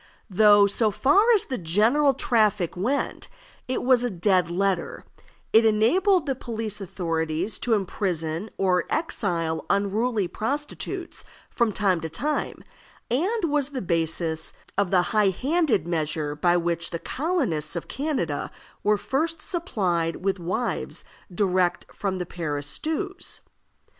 Though, so far as the general traffic went, it was a dead letter, it enabled the police authorities to imprison or exile unruly prostitutes from time to time, and was the basis of the high handed measure by which the colonists of Canada were first supplied with wives direct from the Paris stews.